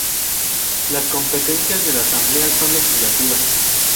Las competencias de la asamblea son legislativas.